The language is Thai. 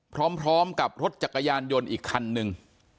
พร้อมกับรถจักรยานยนต์อีกคันนึง